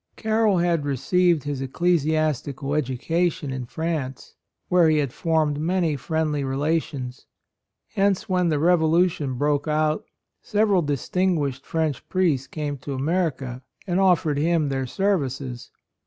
Carroll had received his ec clesiastical education in France, where he had formed many friendly relations. Hence when the revolution broke out several distinguished French priests came to America and offered him their services.